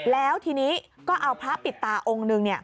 แล้วทีนี้ก็เอาพระปิดตาองค์หนึ่ง